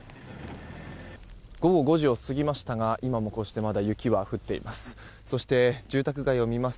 午後５時を過ぎましたが今もこうしてまだ雪は降っています。